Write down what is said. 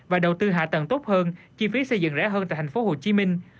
và đầu tư hạ tầng tốt hơn chi phí xây dựng rẻ hơn tại tp hcm